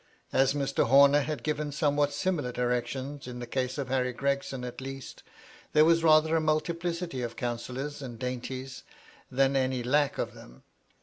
As Mr. Homer had given somewhat similar directions, in the case of Harry Gregson at least, there was rather a multiplicity of counsellors and dainties, than any lack of them.